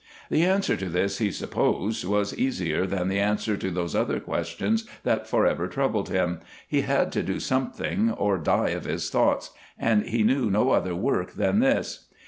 The answer to this, he supposed, was easier than the answer to those other questions that forever troubled him he had to do something or die of his thoughts, and he knew no other work than this.